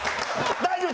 大丈夫！